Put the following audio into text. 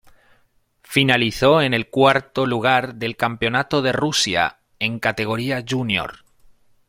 Finalizó en el cuarto lugar del Campeonato de Rusia en categoría júnior.